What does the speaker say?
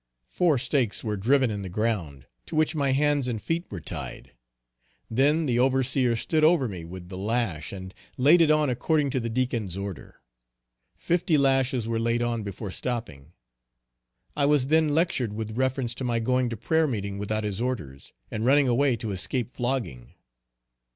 Four stakes were driven in the ground, to which my hands and feet were tied. Then the overseer stood over me with the lash and laid it on according to the Deacon's order. Fifty lashes were laid on before stopping. I was then lectured with reference to my going to prayer meeting without his orders, and running away to escape flogging.